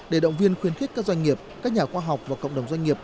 để động viên khuyến khích các doanh nghiệp các nhà khoa học và cộng đồng doanh nghiệp